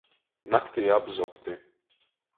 Naktī apzogti.